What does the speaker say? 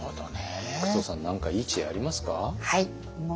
服藤さん何かいい知恵ありますか？